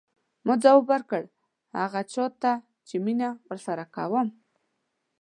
ما ځواب ورکړ هغه چا ته چې مینه ورسره کوم.